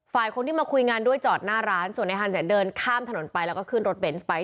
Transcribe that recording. คนที่มาคุยงานด้วยจอดหน้าร้านส่วนในฮันเนี่ยเดินข้ามถนนไปแล้วก็ขึ้นรถเบนส์ไป